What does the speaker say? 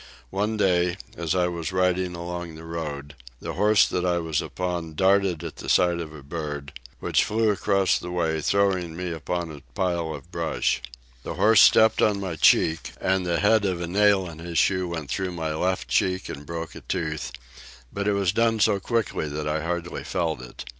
One day, as I was riding along the road, the horse that I was upon darted at the sight of a bird, which flew across the way, throwing me upon a pile of brush. The horse stepped on my cheek, and the head of a nail in his shoe went through my left cheek and broke a tooth, but it was done so quickly that I hardly felt it.